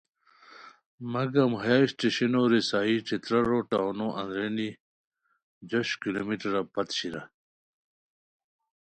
مگم ہیہ اسٹیشنو رسائی ݯھترار ٹاونو اندرینی جوش کلومیٹرا پت شیر